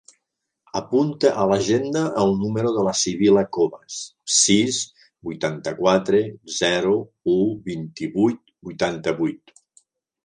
Apunta a l'agenda el número de la Sibil·la Cobas: sis, vuitanta-quatre, zero, u, vint-i-vuit, vuitanta-vuit.